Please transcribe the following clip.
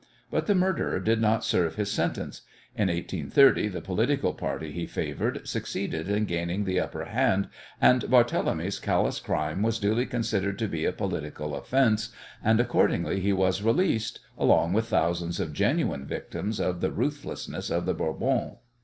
But the murderer did not serve his sentence. In 1830 the political party he favoured succeeded in gaining the upper hand, and Barthélemy's callous crime was duly considered to be a "political offence," and accordingly he was released, along with thousands of genuine victims of the ruthlessness of the Bourbons.